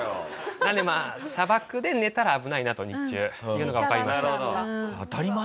なのでまあ砂漠で寝たら危ないなと日中というのがわかりました。